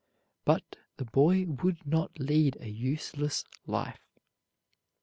But the boy would not lead a useless life.